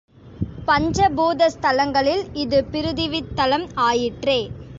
பஞ்ச பூத ஸ்தலங்களில் இது பிருதிவித் தலம் ஆயிற்றே.